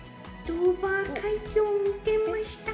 ドーバー海峡見てました。